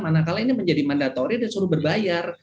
manakala ini menjadi mandatoris dan disuruh berbayar